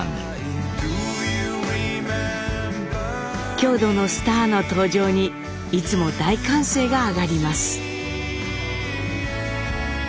郷土のスターの登場にいつも大歓声があがります。